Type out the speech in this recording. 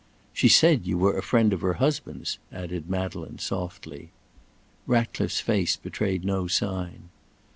"She said you were a friend of her husband's," added Madeleine softly. Ratcliffe's face betrayed no sign.